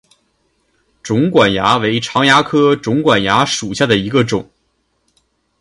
肿管蚜为常蚜科肿管蚜属下的一个种。